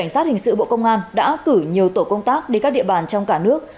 dự bộ công an đã cử nhiều tổ công tác đến các địa bàn trong cả nước